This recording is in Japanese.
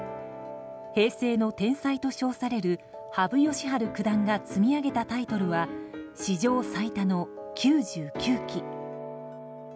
平成の天才と称される羽生善治九段が積み上げたタイトルは史上最多の９９期。